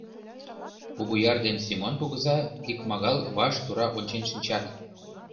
Кугуяр ден Семон кугыза икмагал ваш тура ончен шинчат.